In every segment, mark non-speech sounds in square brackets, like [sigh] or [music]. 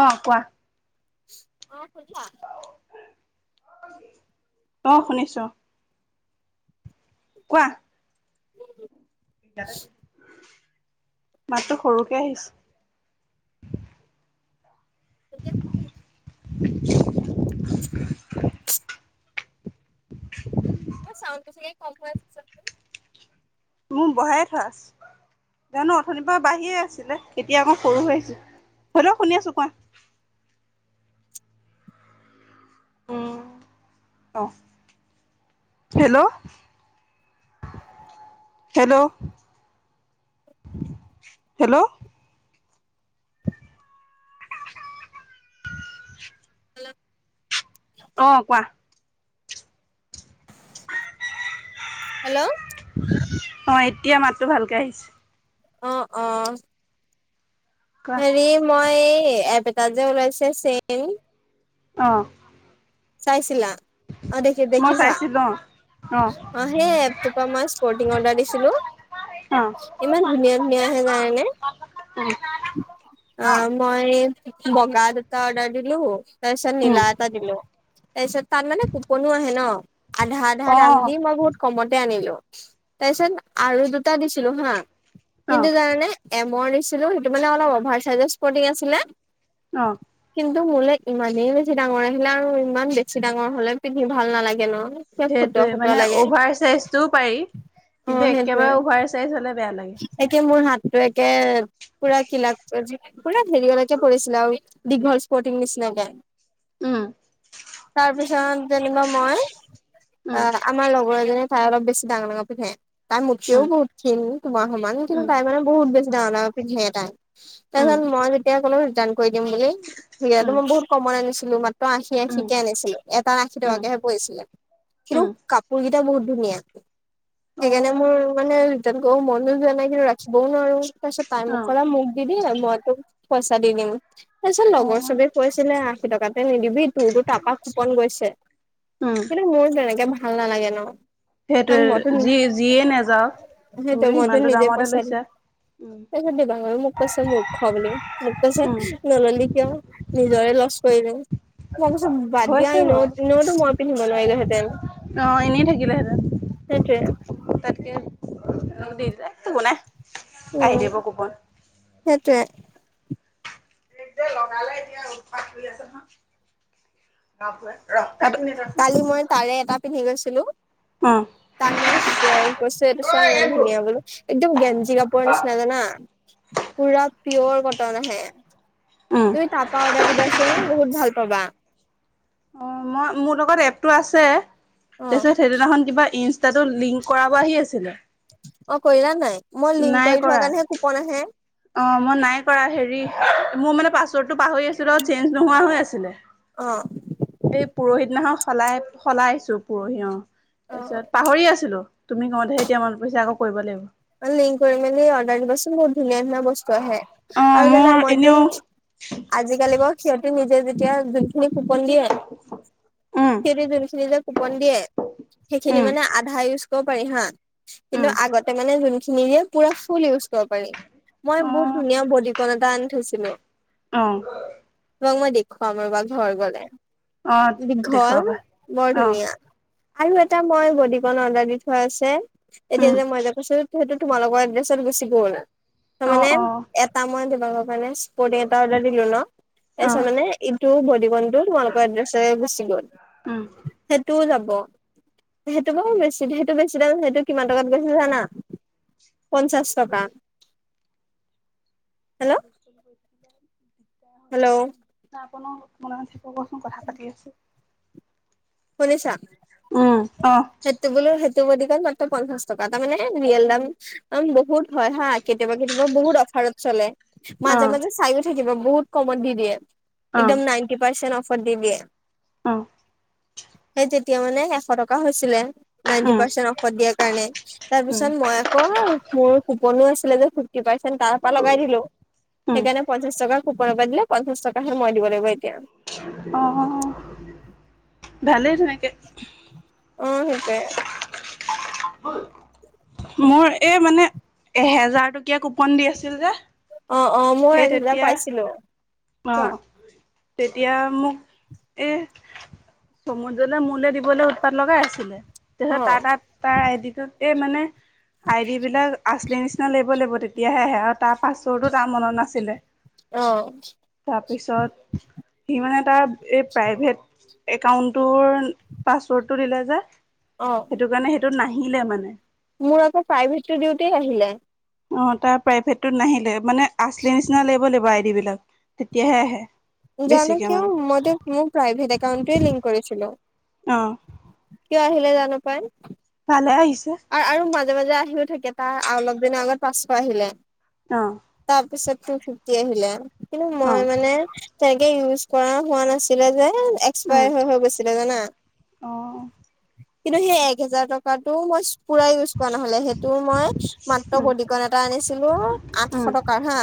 অ কোৱা। অ শুনিছা? অহ শুনিছো। কোৱা। দাদা কি কৰিছে! মাততো সৰুকে আহিছে চাউনটো চাগে কম হৈ আছে [unintelligible] মোৰ বহায়ে থোৱা আছে। জানোঁ অথনিৰ পৰা বাঢ়িয়ে আছিলে, এতিয়া আকৌ সৰু হৈ আহিছে, হ'লেও শুনি আছোঁ কোৱা। উম, অ', হেল্ল'! হেল্ল'! হেল্ল'! অ', কোৱা। হেল্ল'! অ', এতিয়া মাততো ভালকে আহিছ অ', অ'। কোৱা হেৰি মই এপ এটা যে, ওলাইছে চেইম অ'। চাইছিলা? অ দেখি মই দেখিছা চাইছিলোঁ, অ'। অ', সেই এপটোৰ পৰা মই স্পৰ্টিং অৰ্ডাৰ দিছিলোঁ। অ অ ইমান ধুনীয়া, ধুনীয়া আহে জানানে? উম অ', মই বগা দুটা অৰ্ডাৰ দিলো, তাৰপিছত উম নীলা এটা দিলো, তাৰপিছত, তাত মানে কুপনো আহে ন, আধা আধা অ দাম দি মই বহুত, কমতে আনিলো, তাৰপিছত আৰু দুটা দিছিলো হা, অ কিন্তু জানানে, এমৰ দিছিলো সেইটো মানে অলপ অভাৰ চাইজৰ স্পৰ্টিং আছিলে অঁ। তু মোলে ইমানেই বেছি ডাঙৰ আহিলে আৰু ইমান বেছি ডাঙৰ হলে পিন্ধি ভাল নালাগে ন। কিবা ফটুৱা সেইটোৱে ফটুৱা মানে লাগে অভাৰ চাইজটোও পাৰি। কিন্তু একেবাৰে অভাৰ চাইজ হলে বেয়া। লাগে একে মোৰ হাত, তো পুৰা কিলাক পুৰা হেৰি একে পৰিছিলে আৰু দীঘল স্পৰ্টিং নিচিনাকে। উম তাৰপিছত যেনিবা মই, অ উম আমাৰ লগৰ এজননে তাই অলপ বেছি ডাঙৰ ডাঙৰ পিন্ধে। তাই মোতকও উম বহুত ক্ষীন সমান কিন্তু উম তাই মানে বহুত ডাঙৰ ডাঙৰ পিন্ধে তাই। উম, তাৰপিছত মই যেতিয়া ক'লো, দান দিম বুলি সি উম, মই বহুত কমন আনিছিলো মা আশী আশী উম, কে আনিছিলো। এটা আশী উম, টকাকেহে পৰিছিলে কিন্তু উম, কাপোৰ ক, সেইকেইটা বহুত ধুনীয়া। সেইকাৰণে মোৰ মানে, মন জোৱা নাই কিন্তু ৰাখিব নোৱাৰো। তাৰপিছত তাই মোক অ', কলে মোকে দিবি। দিয় মই তোক পইচা দি দিম। তাৰপিছত লগৰ চবে কৈছিলে আশী টকাতে নিদিবি, তোৰতো তপা ইচকন গৈছে উম। কিন্তু মোৰ যেনেকে ভাল নালাগে ন কাৰণ সেইটোৱে যি যিয়ে নাযাওক হেটোৱে মইতো নিজে পইচা উম। দিম [unintelligible] দিবাংগই মোক কৈছে মূৰ্খ বুলি, মোক কৈছে উম নললি কিয়? নিজৰে লছ কৰিলে মই কৈছো, বাদ দিয়া হৈছে বাৰু এনেও-এনেওতো মই পিন্ধিব নোৱাৰিলোহেঁতেন। অ', এনেই থাকিলেহেঁতেন। সেইটোৱে। তাকে দিলে, একো নাই। আহি উম, দিব কোপন। সেইটোৱে। এইটোৱে লগালে এতিয়া উৎপাত কৰি আছে হ কাপটোৱে, ৰহ কালি মই তাৰে এটা পিন্ধি গৈছিলো। উম, তাক মই ছো কৈছো এইটো চোৱা ইমান ধুনীয়া বোলো একদম গেঞ্জি কাপোৰৰ নিচিনা জানা। পুৰা পিয়ৰ কটন আহে, উম, তুমি তাৰপা অৰ্ডাৰ দিবাচোন বহুত ভাল পাবা। অ, মই মোৰ লগত এপটো আছে অ তাৰপিছত সেইদিনাখন কিবা ইনছ তাতো লিংক কৰাব আহি আছিলে অ, কৰিলা নাই? মই লিংক নাই কৰি থোৱা কৰা। কাৰণেহে কুপন আহে। অ, মই নাই কৰা হেৰি মোৰ মানে পাছৱৰ্ডটো পাহৰি আছিলো, চেঞ্জ নোহোৱা হৈ আছিলে। অ এই পৰহি দিনাখন সলাই সলাইছো পৰহি অ', অ তাৰপিছত পাহৰি আছিলো, তুমি কওঁতেহে এতিয়া মনত পইছে আকৌ কৰিব লাগিব। অ, লিংক কৰি মেলি অৰ্ডাৰ দিবাচোন বহুত ধুনীয়া ধুনীয়া বস্তু আহে অ আৰু মোৰ জানা মইতোন এনেও আজিকালি বৰ ক্ষতিন যে যেতিয়া জোনখিনি কুপন দিয়ে উম সিহঁতি যোনখিনি যে কুপন দিয়ে, উম সেইখিনি মানে আধা ইউজ কৰিব পাৰি হা কিন্তু উম আগতে মানে যোনখিনি দিয়ে পুৰা ফুল ইউজ কৰিব পাৰি। মই অ বহুত ধুনীয়া বদিকণ এটা আনি থৈছিলো। অ', তোমাক মই দেখুৱাম ৰবা ঘৰ গলে, অ দীঘল দেখুৱাবা। বৰ অ ধুনীয়া। আৰু এটা মই বদিকণ অৰ্ডাৰ দি থোৱা আছে, এতিয়া উম যে মই যে সেইটো সেইটো তোমালোকৰ এড্ৰেছত গুচি গ'ল, অ মানে অ এটা মই ধৈল মানে স্পৰ্টিং এটা দিলো ন, অ তাৰপিছত মানে এইটো বদিকণ এইটোও তোমালোকৰ এড্ৰেছৰে গুচি গ'ল উম। সেইটোও যাব। ব। সেইটো বাৰু বেছি সেইটো বেছি দাম সেইটো কিমান টকাত লৈছো জানা? পঞ্চাছ টকা হেল্ল' [unintelligible] হেল্ল' অকমান মনে মনে থাকিব কচোন, কথা পাতি আছো শুনিছা উম অহ সেইটো বোলো সেইটো বৰ্দিকণ মাত্ৰ পঞ্চাশ টকা। তাৰ মানে ৰিয়েল দাম বহুত হয় হা কেতিয়াবা বহুত অফাৰত চলে অ মাজে মাজে চাইও থাকিব। বহুত কমত দি দিয়ে। অ একদম নাইনটি পাৰ্চেন্ট অফত দি দিয়ে। অ সেই তেতিয়া মানে এশ টকা হৈছিলে নাইনটি উম পাৰ্চেন্ট অফত দিয়া কাৰণে, তাৰ পিছত মই আকৌ মোৰ কুপনো আছিলে যে ফিফটি পাৰৰ্সেন্ট তাৰ পৰা উম। লগাই দিলো, উম, সেইকাৰণে পঞ্চাশ টকা কুপনৰ পৰা দিলো পঞ্চাশ টকা হে মই দিব লাগিব এতিয়া। অ', ভালেই তেনেকে। অ', সেইটোৱে। মোৰ এই মানে এহাজাৰ টকীয়া কুপন দি আছিল যে অ অ মই সেই এক হেজাৰ তেতিয়া, পাইছিলো চোৱা অ'। তেতিয়া মোক এ চমুদলৈ মোলে দিবলৈ উৎপাত লগাই আছিলে তেলে অ তাৰ তাত তাৰ এই মানে আইডি বিলাক আছলি নিচিনা লাগব লাগিব তেতিয়াহে আহ আৰু তাৰ পাছৰ্ডো নাছিলে অ তাৰপিছত সি মানে তাৰ এই প্ৰাইভেট একাউণ্টটোৰ পাছৱৰ্ডটো দিলে যে অ সেইটো কাৰণে সেইটো নাহিলে মানে মোৰ আকৌ প্ৰাইভেত টো দিওঁতেই আহিলে অ তাৰ প্ৰাইভেটত নাহিলে মানে আচলি নিচিনা লাগিব লাগিব আইড বিলাক তেতিয়াহে আহে জান বেছিকে কিয় মানে ম মোৰ প্ৰাইভেট একাউণ্ট লিংক কৰিছিল আহ কিয় আহিলে জান পাই আহিছে আৰু আৰু মাজে মাজে আহিও থাকে তাৰ অলপ দিনৰ আগত পাছশ আহিলে অ তাৰপিছত টু ফিফটি আহিলে কিন্তু অ মই মানে তেনেকে ইউজ কৰা হোৱা নাছিলে যে উম এক্সপায়াৰ হৈ হৈ গৈছিলে জানা অ কিন্তু সেই এক হেজাৰ টকাতটো মই পুৰাই গৈছো হলে সেইটো মই মাত্ৰ উম বডিকণ এটা আনিছিলো আঠশ উম টকাৰ হা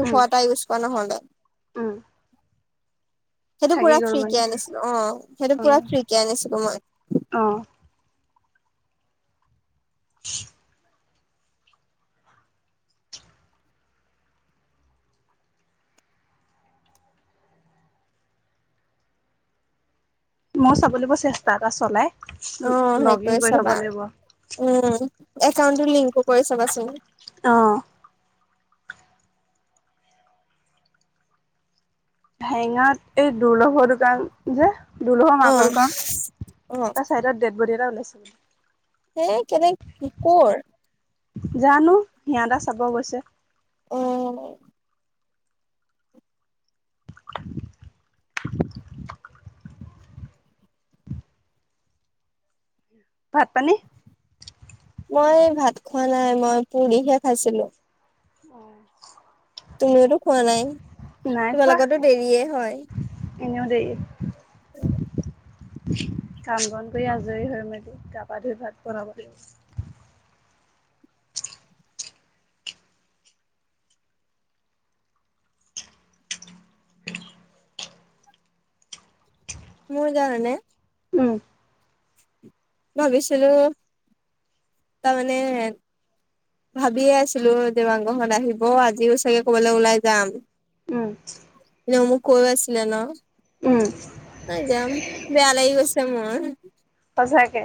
দুশ উম এটা ইউজ কৰা ন হ'ল উম সেইটো থাকি পুৰা গ'ল ফ্ৰী কে মানুহটো আনিছিলো অ সেইটো অ পুৰা ফ্ৰী কে আনিছিলো মই অ [unintelligible] ময় চাব লিব চেষ্টা এটা চলাই অ লগ ইন সেইটোৱয়ে কৰি থব চাবা লাগিব উম একাউণ্টো লিংকো কৰি চাবাচোন আহ হেঙা এই দুৰ্লভৰ দোকান যে দুৰ্লভৰ অ মাকৰ দোকান অ তাৰ চাইডত দেদবদী এটা ওলাই আছে হে কেনে কি কৰ জানো সিহঁ এ চাব গৈছে উ ভাত পানী মই ভাত খোৱা নাই মই পুৰিহে খাইছিলো অ তুমিওতো খোৱা নাই খোৱা তোমালোকো দেৰিয়ে হয় এনেও দেৰি কাম বন কৰি আজৰি হৈ মেলি তাৰ গা ধুই ভাত বনাব লাগিব [unintelligible] মোৰ কাৰণে উম ভাবিছিলোঁ তাৰমানে ভাবিয়ে আছিলো দেৱাংগ হত আহিব আজিও চাগে ক'বালৈ ওলাই যাম। উম এনেও মোক কৈ আছিলে ন? উম, নাই এতিয়া বেয়া লাগি গৈছে মোৰ সঁচাকে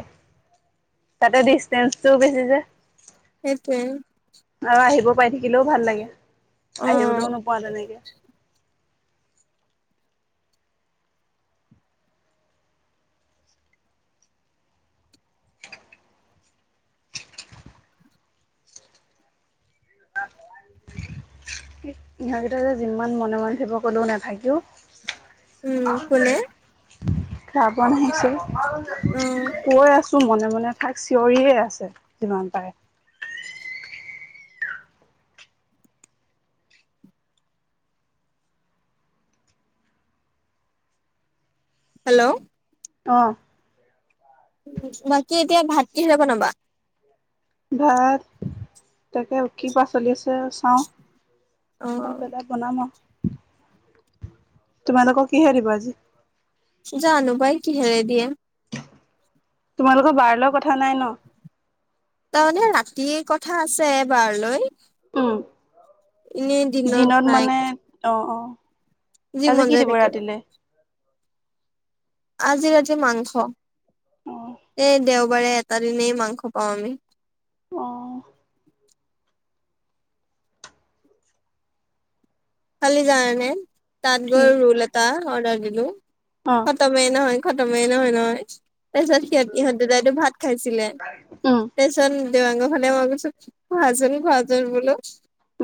তাতে ডিচটেঞ্চটো বেছি যে। সেটোয়ে। আৰু আহিব পাই থাকিলেও ভাল লাগে অ আহিবলৈও নোপোৱা তেনেকে। ইহঁত কেতাযে যিমান মনে-মনে থাকিব কলেও নাথাকিও উম, কোনে? খাবন আহিচে অ কৈ আছোঁ মনে - মনে থাক চিঞৰিয়ে আছে যিমান পাৰে। হেল্ল', অ', বাকী এতিয়া ভাত কিহেৰে বনাবা? ভাত তাকে কি পাচলি আছ ছে চাওঁ চাই অ' পেলাই বনাম আৰু। তোমালোকৰ কিহে দিব আজি? জানো বাই কি হেৰে দিয়ে। তোমালোকৰ বাৰ লৈ কথা নাই ন? তাৰমানে ৰাতিয়ে কথা আছে বাৰলৈ। উম, দিনত মানে অ', অ', যি আজি মন কি যায় দিব তাকে বনাম। ৰাতিলে? আজি ৰাতি মাংস অ এ দেও দেওবাৰে এটা দিনেই মাংস পাওঁ আমি। অ', কালি জানানে তাত কি গৈ ৰোল এটা অৰ্ডাৰ দিলো অ খতমে নহয় খতমেই নহয়-নহয় তাৰপিছত সিহত ইহঁত দুতাইটো ভাত খাইছিলে, উম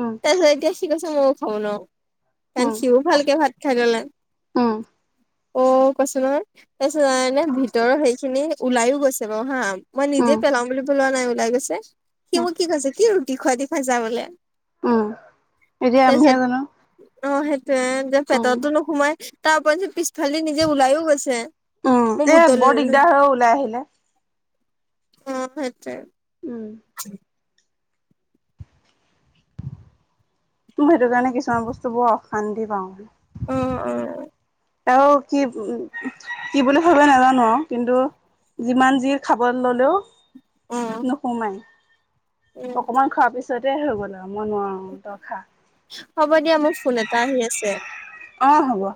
উম [unintelligible] সি কৈছে মইও খাঁব নুৱাও, কাৰণ উম সিও ভালকে ভাত খাই ললে। উম অ [unintelligible] [unintelligible] ভিতৰৰ সেই খিনি ওলাইও গৈছে বাৰু হা মই নিজে উম পেলাও বুলি পলোৱা নাই। ওলাই গৈছে, সি উম মোক কি কৈছে কি ৰুটি খাই দেখুৱাইছা বোলে। উম, এতিয়া আমিহে তাৰপিছত জান অ সেইটোয়ে যে পেটতো নোসোমাই তাৰপ যে পি খালি নিজে ওলাইও গৈছে, উম মোৰ এ ভুতল বৰ দিগদাৰ হয় ওলাই আহিলে অ সেইটোৱে। উম [unintelligible] মই সেইটো কাৰণে কিছুমান বস্তু বৰ অশান্তি পাওঁ। অ অ অ। আৰু কি উ কি বুলি ভাবে নাজানো আৰু কিন্তু। যিমান জিৰ খাব ললেও। অ', নোসোমাই, উম, অকমান খোৱাৰ পিছতে হৈ গ'ল আ মই নোৱাৰোঁ আৰু তই খা হ'ব দিয়া মোৰ ফোন এটা আহি আছে। [unintelligible] অ হব।